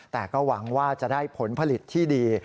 แต่ก็หวังว่าจะได้ผลผลิตที่ดี